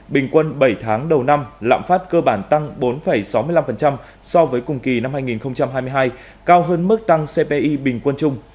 bình quân bảy tháng đầu năm lạm phát cơ bản tăng bốn sáu mươi năm so với cùng kỳ năm hai nghìn hai mươi hai cao hơn mức tăng cpi bình quân chung